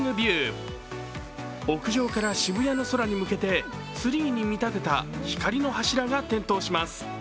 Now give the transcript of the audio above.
屋上から渋谷の空に向けてツリーに見立てた光の柱が点灯します。